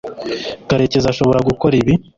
karekezi ashobora gukora ibi